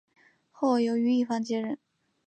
后由于一方接任。